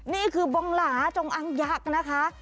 นี่คือบองหลาจงอังยักษ์นะคะ